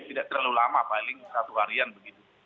tidak terlalu lama paling satu harian begitu